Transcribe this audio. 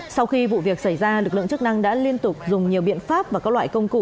sau khi vụ việc xảy ra lực lượng chức năng đã liên tục dùng nhiều biện pháp và các loại công cụ